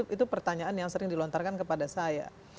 itu pertanyaan yang sering dilontarkan kepada saya